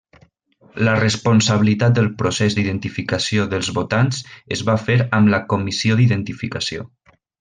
La responsabilitat del procés d'identificació dels votants es va fer amb la Comissió d'Identificació.